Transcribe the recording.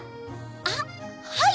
あっはい！